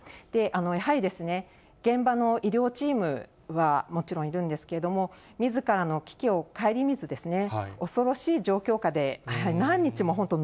やはり、現場の医療チームはもちろんいるんですけれども、みずからの危機を顧みず、恐ろしい状況下で、やはり何日も本当に